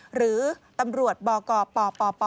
หรือตำรวจบกปป